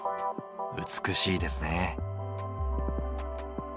美しいですね。